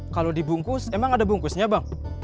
kalau dibungkus emang ada bungkusnya bang